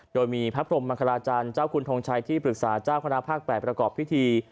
โดยมีพระพรมมังคลาจันทร์เจ้าคุณทงชัยที่ปรึกษาเจ้าคณะภาค๘ประกอบพิธี